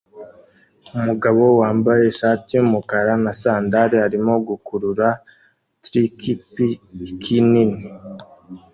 Umugabo wambaye ishati yumukara na sandali arimo gukurura trikipiki nini